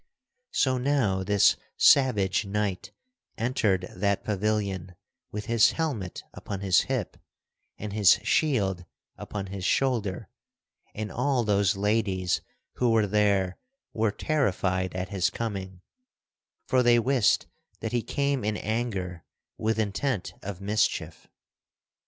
So now this savage knight entered that pavilion with his helmet upon his hip and his shield upon his shoulder, and all those ladies who were there were terrified at his coming, for they wist that he came in anger with intent of mischief.